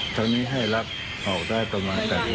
ตอนนี้ให้รับออกได้ประมาณ๘นาที